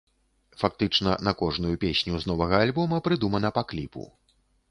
Фактычна на кожную песню з новага альбома прыдумана па кліпу.